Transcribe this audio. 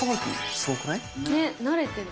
すごくない？ね慣れてる。